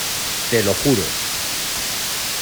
te lo juro.